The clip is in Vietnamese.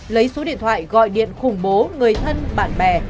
lấy số điện thoại gọi điện khủng bố người thân bạn bè